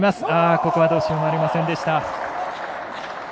ここは、どうしようもありませんでした。